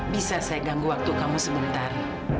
bisa saya ganggu waktu kamu sebentar